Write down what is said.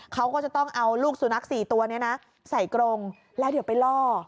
เขาก็จะต้องเอาลูกสุนัข๔ตัวนี้นะใส่กรงแล้วเดี๋ยวไปล่อ